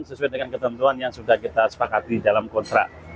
sesuai dengan ketentuan yang sudah kita sepakati dalam konstrak